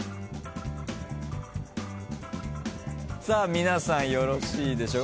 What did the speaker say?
皆さんよろしいでしょう。